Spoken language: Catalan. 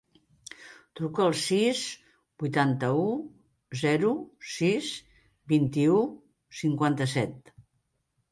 Truca al sis, vuitanta-u, zero, sis, vint-i-u, cinquanta-set.